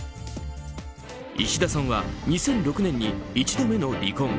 いしださんは２００６年に１度目の離婚